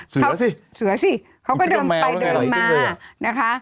เขาสิเสือสิเขาก็เดินไปเดินมานะคะ